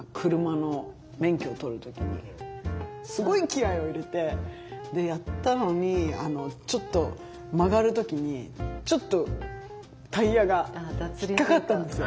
すごい気合いを入れてやったのにちょっと曲がる時にちょっとタイヤが引っ掛かったんですよ。